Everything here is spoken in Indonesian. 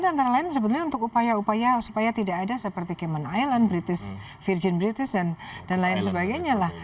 itu antara lain sebetulnya untuk upaya upaya supaya tidak ada seperti cayman island british virgin british dan lain sebagainya lah